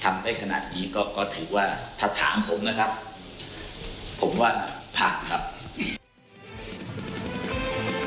ซึ่งทางสมาคมกีฬาฟุตบอลก็พร้อมที่จะสนุนและอำนวยความสะดวกอย่างต่อเนื่อง